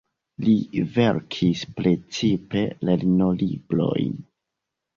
Li verkis precipe lernolibrojn.